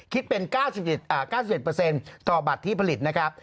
คิดเป็น๙๑ต่อบัตรที่ผลิตนะครับ